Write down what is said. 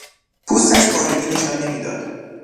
پوستش پارگی نشان نمیداد.